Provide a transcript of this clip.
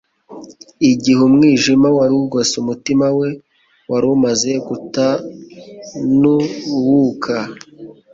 Igihe umwijima wari ugose umutima we wari umaze gutanuwuka.